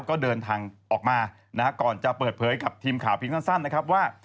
ก็เดินทางออกมานะฮะก่อนจะเปิดเผยกับทีมข่าวเพียงสั้นนะครับว่า